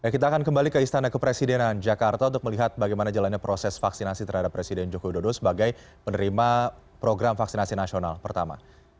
kita akan kembali ke istana kepresidenan jakarta untuk melihat bagaimana jalannya proses vaksinasi terhadap presiden joko widodo sebagai penerima program vaksinasi nasional pertama